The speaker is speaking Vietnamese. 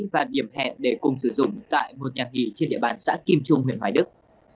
và điểm hẹn để cùng sử dụng tại một nhà nghỉ trên địa bàn xã kim trung huyện hoài đức